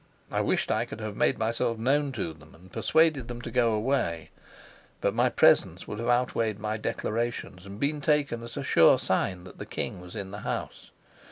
I wished I could have made myself known to them and persuaded them to go away; but my presence would have outweighed my declarations, and been taken as a sure sign that the king was in the house.